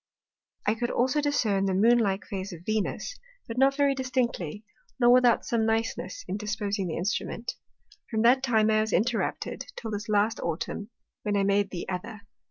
I could also discern the Moon like Phase of Venus, but not very distinctly, nor without some niceness in disposing the Instrument. From that time I was interrupted, till this last Autumn, when I made the other.